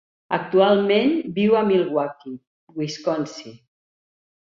Actualment viu a Milwaukee, Wisconsin.